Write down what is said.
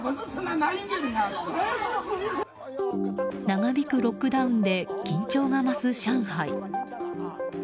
長引くロックダウンで緊張が増す上海。